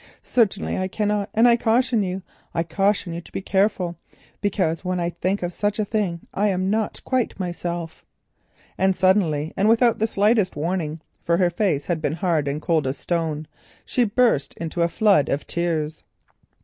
Certainly I cannot—and I caution you—I caution you to be careful, because when I think of such a thing I am not quite myself," and suddenly, without the slightest warning (for her face had been hard and cold as stone), she burst into a flood of tears.